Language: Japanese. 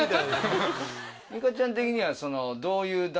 ミカちゃん的には。